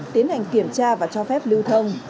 tiến hành kiểm tra và cho phép lưu thông